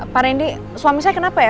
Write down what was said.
pak randy suami saya kenapa ya